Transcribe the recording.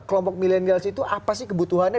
kelompok milenial itu apa sih kebutuhannya